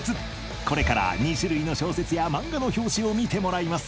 これから２種類の小説や漫画の表紙を見てもらいます